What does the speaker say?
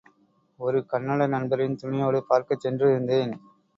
ஒரு கன்னட நண்பரின் துணையோடு பார்க்கச் சென்றிருந்தேன்.